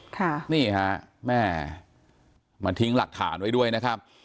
ค่ะนี่ฮะแม่มาทิ้งหลักฐานไว้ด้วยนะครับ